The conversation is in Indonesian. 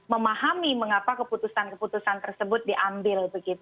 memahami mengapa keputusan keputusan tersebut diambil